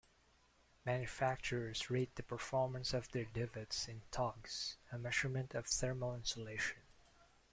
Manufacturers rate the performance of their duvets in togs, a measurement of thermal insulation.